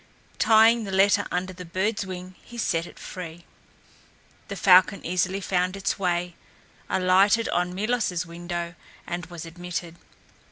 Tying the letter under the bird's wing he set it free. The falcon easily found its way, alighted on Milos' window, and was admitted.